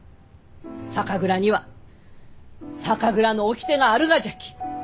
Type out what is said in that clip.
酒蔵には酒蔵の掟があるがじゃき。